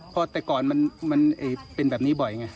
เพราะแต่ก่อนมันเป็นแบบนี้บ่อยไง